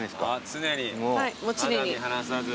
常に肌身離さず。